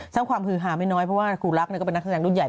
สร้างความฮือหาไม่น้อยเพราะว่าครูรักก็เป็นนักแสดงรุ่นใหญ่